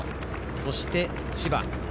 そして千葉。